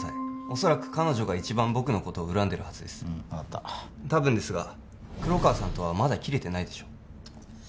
恐らく彼女が一番僕のことを恨んでるはずです分かった多分ですが黒川さんとはまだ切れてないでしょう